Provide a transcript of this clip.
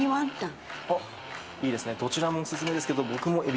いいですね、どちらもお勧めですけど、はい。